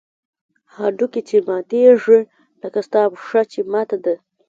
هډوکى چې ماتېږي لکه ستا پښه چې ماته ده.